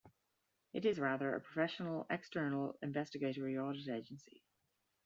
It is, rather, a professional external investigatory audit agency.